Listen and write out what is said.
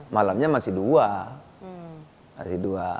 malamnya masih dua